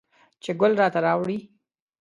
چې ګل راته راوړي